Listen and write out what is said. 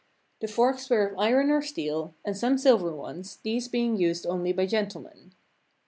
The forks were of iron or steel, and some silver ones, these being used only by gentlemen.